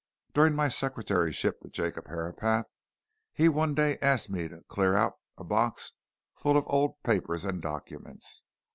During my secretaryship to Jacob Herapath, he one day asked me to clear out a box full of old papers and documents.